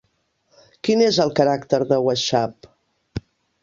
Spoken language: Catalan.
Quin és el caràcter de WhatsApp?